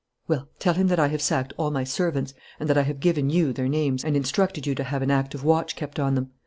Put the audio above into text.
"Well, tell him that I have sacked all my servants and that I have given you their names and instructed you to have an active watch kept on them.